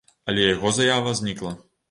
Але яго заява знікла.